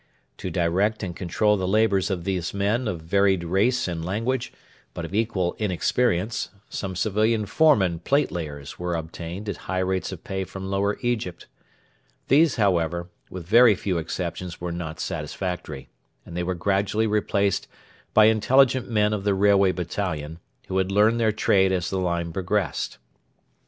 To direct and control the labours of these men of varied race and language, but of equal inexperience, some civilian foremen platelayers were obtained at high rates of pay from Lower Egypt. These, however, with very few exceptions were not satisfactory, and they were gradually replaced by intelligent men of the 'Railway Battalion,' who had learned their trade as the line progressed.